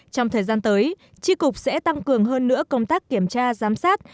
trong thời gian tới tri cục sẽ tăng cường hơn nữa công tác kiểm tra giám sát